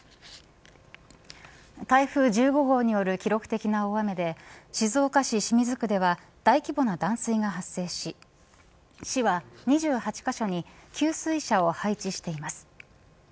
台風１５号による記録的な大雨で静岡市清水区では大規模な断水が発生し市は２８カ所に給水車を配置しています。